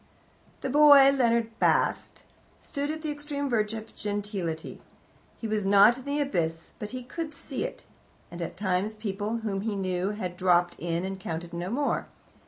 The boy, Leonard Bast, stood at the extreme verge of gentility. He was not in the abyss, but he could see it, and at times people whom he knew had dropped in, and counted no more.